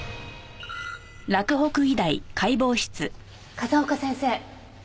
風丘先生。